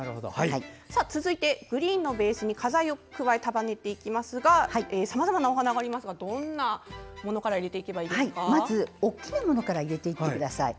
続いてベースに花材を加えますがさまざまなお花がありますがどんなものからまず、大きいものから入れていってください。